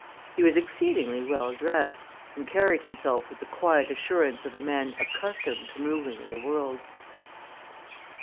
He was exceedingly well dressed and carried himself with the quiet assurance of a man accustomed to moving in the world.